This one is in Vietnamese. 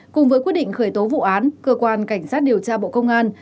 cùng với quyết định khởi tố vụ án cơ quan cảnh sát điều tra bộ công an